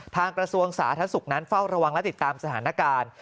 กระทรวงสาธารณสุขนั้นเฝ้าระวังและติดตามสถานการณ์